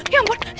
ya ampun ya ampun